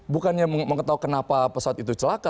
bukannya mau ketahui kenapa pesawat itu celaka